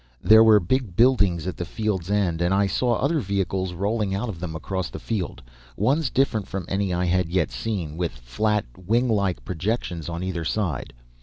There were big buildings at the field's end, and I saw other vehicles rolling out of them across the field, ones different from any I had yet seen, with flat winglike projections on either side.